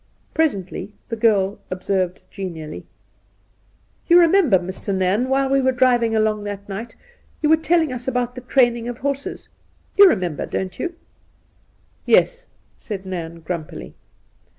Presently the girl observed genially :' You remember, Mr. Nairn, while we were driving along that night, you were telling us about the training of horses ? You remember, don't you ?'' Yes,' said Nairn grumpily.